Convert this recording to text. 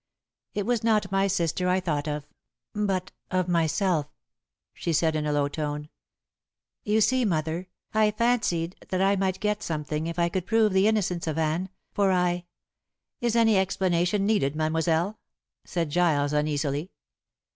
"It was not my sister I thought of, but of myself," she said in a low tone. "You see, mother, I fancied that I might get something if I could prove the innocence of Anne, for I " "Is any explanation needed, mademoiselle?" said Giles uneasily.